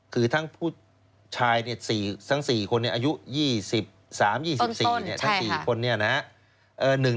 คือทั้ง๔คนอายุ๒๓๒๔ทั้ง๔คนนี้นะครับ